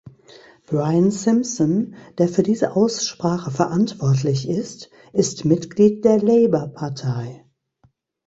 Brian Simpson, der für diese Aussprache verantwortlich ist, ist Mitglied der Labour-Partei.